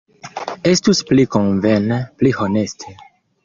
Estus pli konvene, pli honeste.